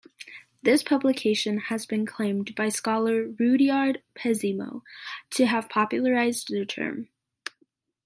This publication has been claimed by scholar Rudyard Pesimo to have popularized the term.